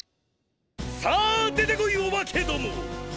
さあ出てこいオバケども！